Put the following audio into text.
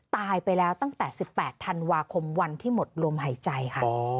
ตายไปแล้วตั้งแต่๑๘ธันวาคมวันที่หมดลมหายใจค่ะ